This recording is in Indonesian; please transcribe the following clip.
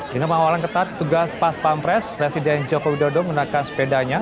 dengan pengawalan ketat tugas paspampres presiden joko widodo menggunakan sepedanya